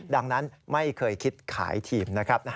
ดังนั้นไม่เคยคิดขายทีมนะครับ